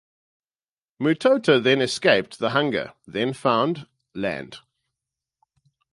Mutota then escaped the hunger then found land.